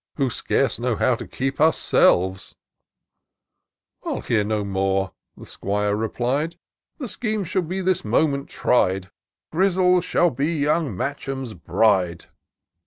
Who scarce know how to keep ourselves !"" I'll hear no more," the 'Squire replied ;" The scheme shall be this moment tried. Grizzle shall be young Match' em's bride.